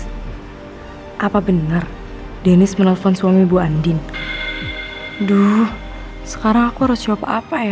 hai apa bener deniz menelpon suami bu andien duh sekarang aku harus jawab apa ya